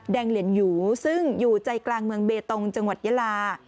เหรียญหยูซึ่งอยู่ใจกลางเมืองเบตงจังหวัดยาลา